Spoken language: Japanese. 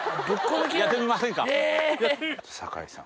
酒井さん。